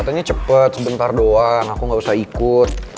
katanya cepet sebentar doang aku nggak usah ikut